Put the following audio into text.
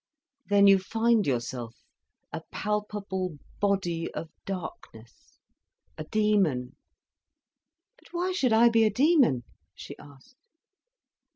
Then you find yourself a palpable body of darkness, a demon—" "But why should I be a demon—?" she asked.